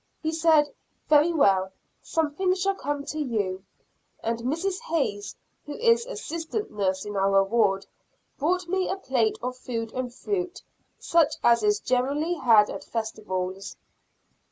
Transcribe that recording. He said, "Very well, something shall come to you;" and Mrs. Hays, who is Assistant Nurse in our Ward, brought me a plate of food and fruit, such as is generally had at festivals.